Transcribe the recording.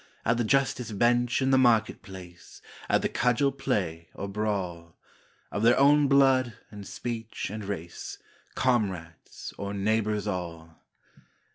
At the justice bench and the market place, At the cudgel play or brawl, Of their own blood and speech and race, Comrades or neighbours all